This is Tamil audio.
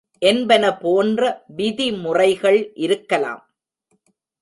என்பன போன்ற விதிமுறைகள் இருக்கலாம்.